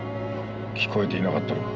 聞こえていなかったのか。